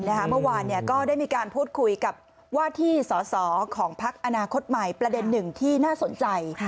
เมื่อวานก็ได้มีการพูดคุยกับว่าที่สอสอของพักอนาคตใหม่ประเด็นหนึ่งที่น่าสนใจ